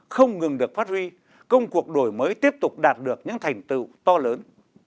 không ngừng được phát huy công cuộc đổi mới tiếp tục đạt được những thành tựu to lớn